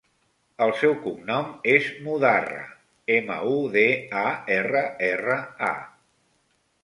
El seu cognom és Mudarra: ema, u, de, a, erra, erra, a.